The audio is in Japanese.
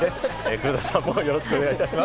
黒田さんもよろしくお願いいたします。